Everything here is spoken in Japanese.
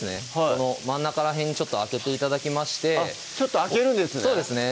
この真ん中ら辺ちょっと空けて頂きましてちょっと空けるんですね